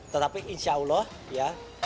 tetapi insya allah ya